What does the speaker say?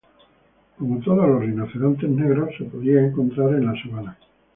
Como todos los rinocerontes negros, podía ser encontrado en la sabana.